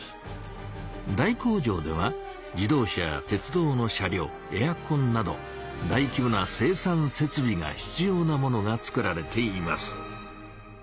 大工場では自動車や鉄道の車両エアコンなど大きぼな生産せつびが必要なものが作られています。